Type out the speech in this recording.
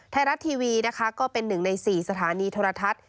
ไทยรัฐทีวีนะคะก็เป็นหนึ่งใน๔สถานีโทรทัศน์